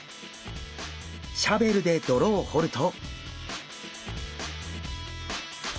シャベルで泥を掘ると。